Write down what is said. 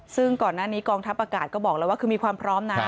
ซึ่งก่อนหน้านี้กองทัพอากาศก็บอกแล้วว่าคือมีความพร้อมนะ